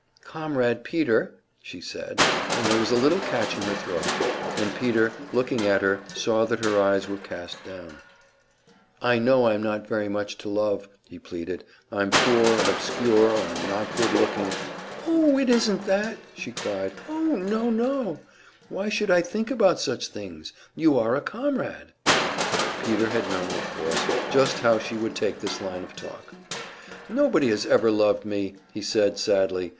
"Comrade Peter," she said, and there was a little catch in her throat, and Peter, looking at her, saw that her eyes were cast down. "I know I'm not very much to love," he pleaded. "I'm poor and obscure I'm not good looking " "Oh, it isn't that!" she cried, "Oh, no, no! Why should I think about such things? You are a comrade!" Peter had known, of course, just how she would take this line of talk. "Nobody has ever loved me," he said, sadly.